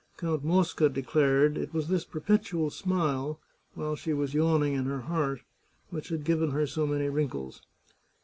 Count Mosca declared it was this perpetual smile — while she was yawning in her heart — which had given her so many wrinkles.